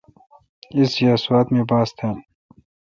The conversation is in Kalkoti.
ایس یا سوات می باس تھال۔